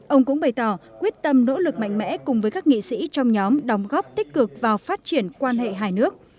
ông cũng bày tỏ quyết tâm nỗ lực mạnh mẽ cùng với các nghị sĩ trong nhóm đóng góp tích cực vào phát triển quan hệ hai nước